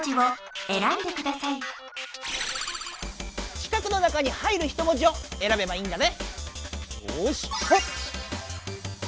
四角の中に入る一文字をえらべばいいんだね。